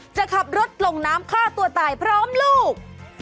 จะขับรถลงน้ำฆ่าตัวตายพร้อมลูก